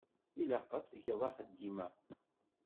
Ilaq ad tgeḍ axeddim-a.